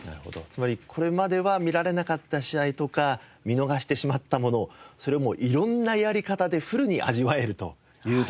つまりこれまでは見られなかった試合とか見逃してしまったものそれをもう色んなやり方でフルに味わえるというところでしょうか。